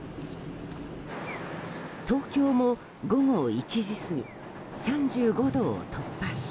東京も午後１時過ぎ３５度を突破し